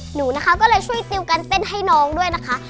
หนูนะคะก็เลยช่วยติวการเต้นให้น้องด้วยนะคะ